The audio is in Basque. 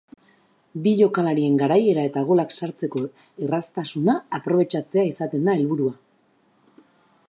Bi jokalarien garaiera eta golak sartzeko errastasuna aprobetxatzea izaten da helburua.